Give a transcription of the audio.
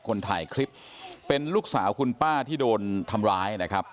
คนถ่ายคลิปเป็นลูกสาวคุณป้าที่โดนทำร้ายนะครับ